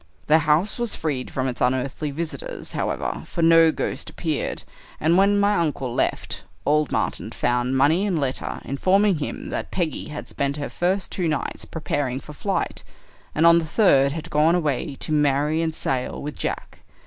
The house was freed from its unearthly visitors, however, for no ghost appeared; and when my uncle left, old Martin found money and letter informing him that Peggy had spent her first two nights preparing for flight, and on the third had gone away to marry and sail with Jack.